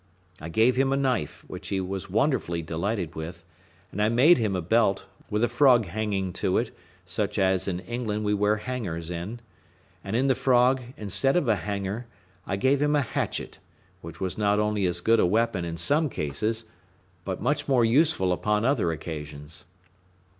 I gave him a knife, which he was wonderfully delighted with; and I made him a belt, with a frog hanging to it, such as in England we wear hangers in; and in the frog, instead of a hanger, I gave him a hatchet, which was not only as good a weapon in some cases, but much more useful upon other occasions.